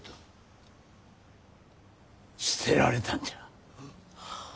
捨てられたんじゃ。